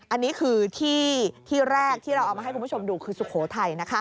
อันนี้คือที่แรกที่เราเอามาให้คุณผู้ชมดูคือสุโขทัย